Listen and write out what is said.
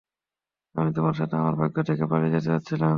আমি তোমার সাথে আমার ভাগ্য থেকে পালিয়ে যেতে চাচ্ছিলাম।